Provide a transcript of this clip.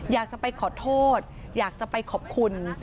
อยากจะไปขอโทษอยากจะไปขอบคุณ